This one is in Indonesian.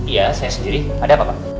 iya saya sendiri ada apa pak